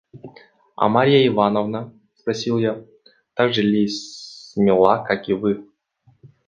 – А Марья Ивановна? – спросил я, – так же ли смела, как и вы?